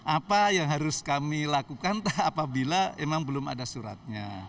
apa yang harus kami lakukan apabila memang belum ada suratnya